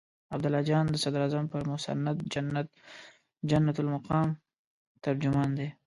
عبدالله جان د صدراعظم پر مسند جنت المقام براجمان دی.